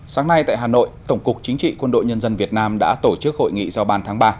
sáng nay tại hà nội tổng cục chính trị quân đội nhân dân việt nam đã tổ chức hội nghị giao bàn tháng ba